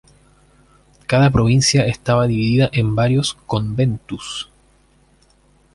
Cada provincia estaba dividida en varios "conventus".